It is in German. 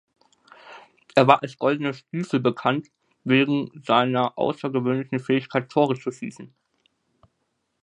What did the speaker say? Er war als "Goldene Stiefel" bekannt, wegen seiner außergewöhnlichen Fähigkeit, Tore zu schießen.